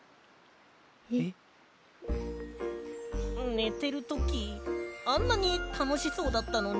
ねてるときあんなにたのしそうだったのに？